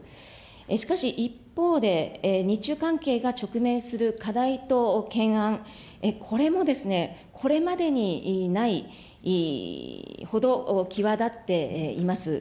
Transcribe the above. しかし、一方で日中関係が直面する課題と懸案、これもですね、これまでにないほど際立っています。